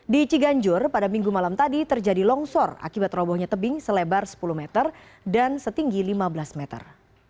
di ciganjur pada minggu malam tadi terjadi longsor akibat robohnya tebing selebar sepuluh meter dan setinggi lima belas meter